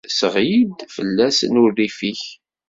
Sseɣli-d fell-asen urrif-ik!